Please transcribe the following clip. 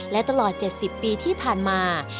และตลอด๗๐ปีที่ผ่านมา